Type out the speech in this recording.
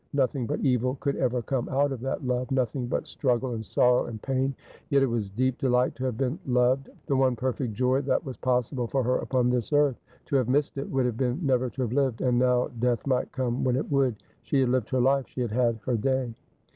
Nothing but evil could ever come out of that love ; nothing but struggle, and sorrow, and pain ; yet it was deep delight to have been loved, ■the one per fect joy that was possible for her upon this earth. To have missed it would have been never to have lived : and now death might come when it would. She had lived her life ; she had had her day.